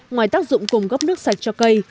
ngoài tác dụng cung cấp nước sạch cho cây